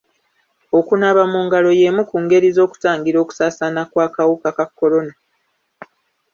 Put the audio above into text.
Okunaaba mu ngalo y'emu ku ngeri z'okutangira okusaasaana k'akawuka ka kolona.